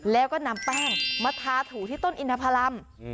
แล้วก็นำแป้งมาทาถูที่ต้นอินทพรรม